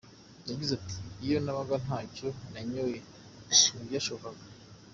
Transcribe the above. Yagize ati “Iyo nabaga ntacyo nanyoye ntibyanshobokeraga.